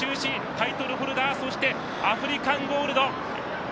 タイトルホルダーそしてアフリカンゴールド。